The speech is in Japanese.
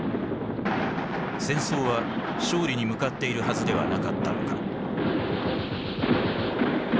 戦争は勝利に向かっているはずではなかったのか。